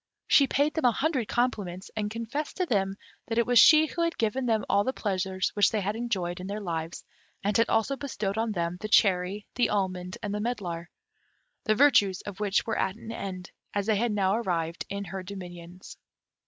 She paid them a hundred compliments, and confessed to them that it was she who had given them all the pleasures which they had enjoyed in their lives, and had also bestowed on them the cherry, the almond, and the medlar, the virtues of which were at an end, as they had now arrived in her dominions.